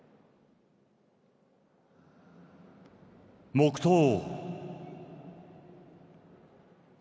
黙とう。